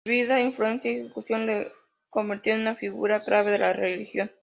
Su vida, influencia y ejecución la convirtieron en una figura clave de la religión.